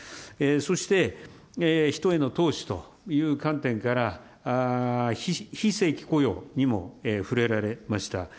そして人への投資という観点から、非正規雇用にもふれられました。